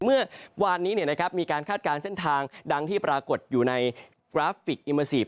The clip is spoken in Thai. เมื่อวานนี้มีการคาดการณ์เส้นทางดังที่ปรากฏอยู่ในกราฟิกอิเมอร์ซีฟ